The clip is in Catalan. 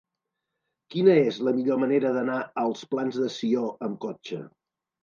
Quina és la millor manera d'anar als Plans de Sió amb cotxe?